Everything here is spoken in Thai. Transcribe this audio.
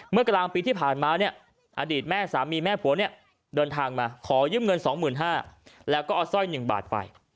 เมื่อกลางปีที่ผ่านมาเนี่ยอดีตแม่สามีแม่ผัวเนี่ยเดินทางมาขอยืมเงิน๒๕๐๐แล้วก็เอาสร้อย๑บาทไป